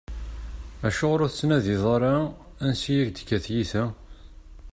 Acuɣeṛ ur tettnadiḍ ara ansa i ak-d-tekka tyita?